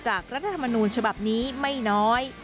รัฐธรรมนูญฉบับนี้ไม่น้อย